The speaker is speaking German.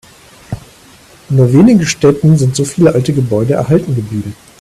In nur wenigen Städten sind so viele alte Gebäude erhalten geblieben.